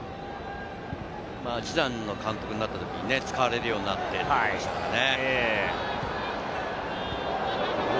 ジダンが監督になったときに使われるようになってましたからね。